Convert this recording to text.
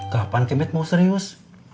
kapan kemet mau serius